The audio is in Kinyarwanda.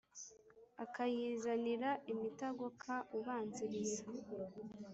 Akayizanira imitagoka ubanziriza